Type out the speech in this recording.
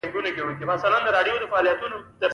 صبغت الله خان یو بل استازی ورسېدی.